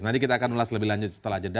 nanti kita akan ulas lebih lanjut setelah jeda